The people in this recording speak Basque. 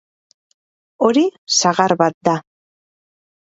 Hori sagar bat da.